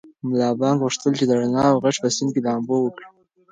ملا بانګ غوښتل چې د رڼا او غږ په سیند کې لامبو وکړي.